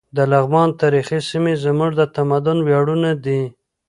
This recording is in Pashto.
د لغمان تاریخي سیمې زموږ د تمدن ویاړونه دي.